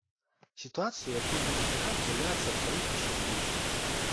Сітуацыя, якую мы назіраем, з'яўляецца абсалютна шакуючай!